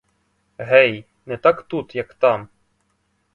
Гей, не так тут, як там!